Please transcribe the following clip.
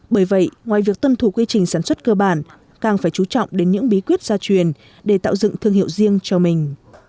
bởi vậy ngoài việc tuân thủ quy trình sản xuất cơ bản càng phải chú trọng đến những bí quyết gia truyền để tạo dựng thương hiệu riêng cho mình